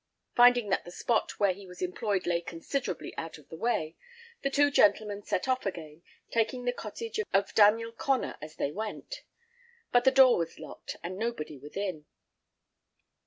Finding that the spot where he was employed lay considerably out of the way, the two gentlemen set off again, taking the cottage of Daniel Connor as they went; but the door was locked, and nobody within.